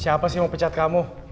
siapa sih mau pecat kamu